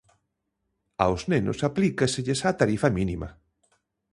Aos nenos aplícaselles a tarifa mínima.